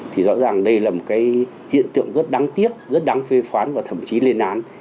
thì rõ ràng đây là một cái hiện tượng rất đáng tiếc rất đáng phê phán và thậm chí lên án